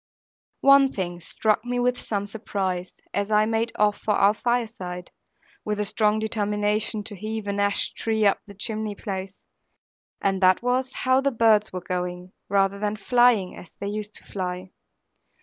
One thing struck me with some surprise, as I made off for our fireside (with a strong determination to heave an ash tree up the chimney place), and that was how the birds were going, rather than flying as they used to fly.